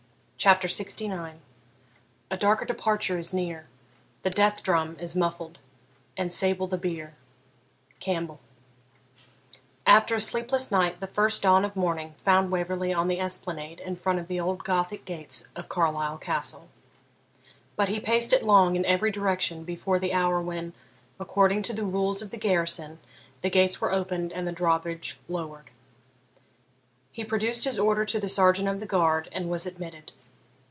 CHAPTER LXIX A darker departure is near, The death drum is muffled, and sable the bier CAMPBELL After a sleepless night, the first dawn of morning found Waverley on the esplanade in front of the old Gothic gate of Carlisle Castle. But he paced it long in every direction before the hour when, according to the rules of the garrison, the gates were opened and the draw bridge lowered. He produced his order to the sergeant of the guard and was admitted.